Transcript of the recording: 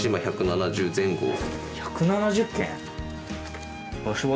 １７０軒！